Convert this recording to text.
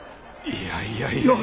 いやいやいやいや。